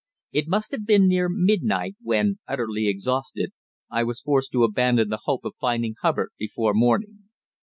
It must have been near midnight when, utterly exhausted, I was forced to abandon the hope of finding Hubbard before morning.